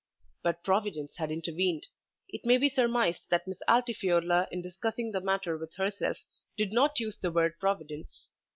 But Providence had intervened. It may be surmised that Miss Altifiorla in discussing the matter with herself did not use the word Providence.